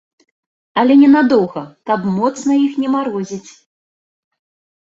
Але не надоўга, каб моцна іх не марозіць.